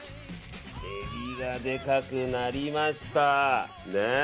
エビがでかくなりました。